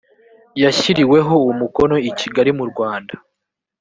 yashyiriweho umukono i kigali mu rwanda